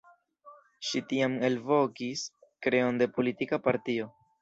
Ŝi tiam elvokis kreon de politika partio.